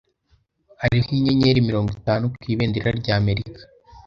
Hariho inyenyeri mirongo itanu ku ibendera rya Amerika.